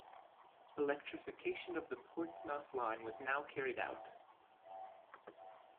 Electrification of the Portsmouth line was now carried out.